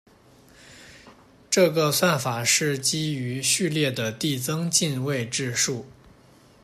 这个算法是基于序列的递增进位制数。